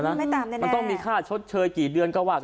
มันต้องมีค่าชดเชยกี่เดือนก็ว่า